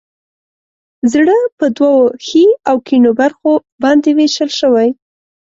زړه په دوو ښي او کیڼو برخو باندې ویش شوی.